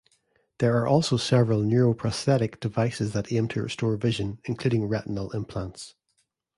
There are also several neuroprosthetic devices that aim to restore vision, including retinal implants.